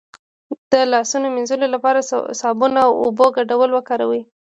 د لاسونو د مینځلو لپاره د صابون او اوبو ګډول وکاروئ